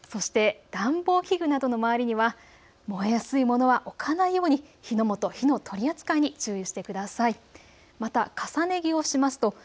そして暖房器具などの周りには燃えやすいものは置かないように火の元、火の取り扱いに注意してください。